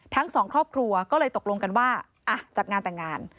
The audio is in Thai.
ทั้งสองครอบครัวก็เลยตกลงกันว่าจัดงานแต่งงาน